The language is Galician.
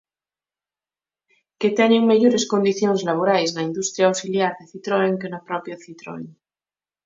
Que teñen mellores condicións laborais na industria auxiliar de Citroën que na propia Citroën.